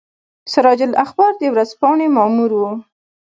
سراج الاخبار د ورځپاڼې مامور وو.